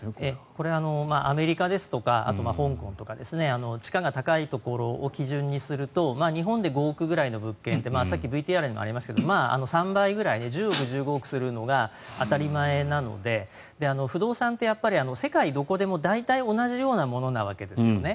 これ、アメリカですとかあと、香港とか地価が高いところを基準にすると日本で５億くらいの物件ってさっきＶＴＲにもありましたが３倍ぐらい１０億、１５億ぐらいするのが当たり前なので不動産って世界どこでも大体同じようなものなわけですね。